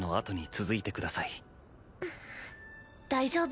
大丈夫？